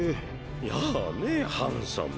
やぁねハンサム。